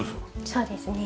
そうですね。